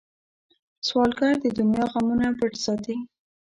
سوالګر د دنیا غمونه پټ ساتي